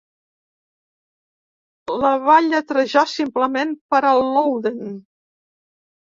La va lletrejar simplement per a Louden.